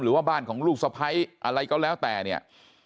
หรือว่าบ้านของลูกสะพ้ายอะไรก็แล้วแต่เนี่ย